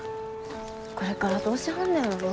これからどうしはんねやろな。